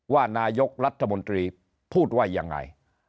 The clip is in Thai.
ว่านายกรัฐมนตรีพูดว่ายังไง